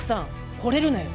ほれるなよ。